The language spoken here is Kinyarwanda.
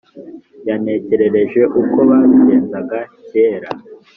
yantekerereje uko babigenzaga cyera.